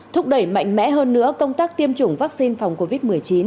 thúc đẩy mạnh mẽ hơn nữa công tác tiêm chủng vaccine phòng covid một mươi chín